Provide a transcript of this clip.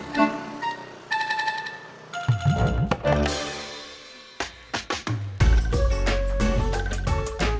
sampai jumpa di video selanjutnya